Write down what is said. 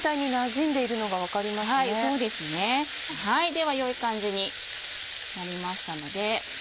では良い感じになりましたので。